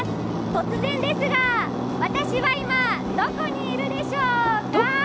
突然ですが、私は今、どこにいるでしょうか？